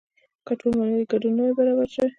که ټول منلی ګډون نه وي برابر شوی.